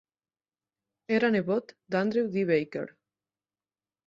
Era nebot d'Andrew D. Baker.